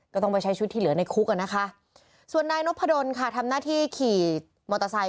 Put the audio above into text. ก็ต้องไปใช้ชุดที่เหลือในคุกอ่ะนะคะส่วนนายนพดลค่ะทำหน้าที่ขี่มอเตอร์ไซค